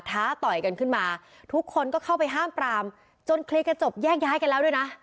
ต่อยกันขึ้นมาทุกคนก็เข้าไปห้ามปรามจนเคลียร์กันจบแยกย้ายกันแล้วด้วยนะ